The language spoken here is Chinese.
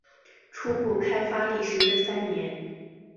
初步开发历时约三年。